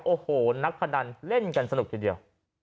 โอ้โหนักพนันเล่นกันสนุกทีเดียว